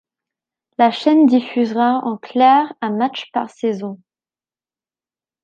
La chaîne diffusera en clair un match par saison.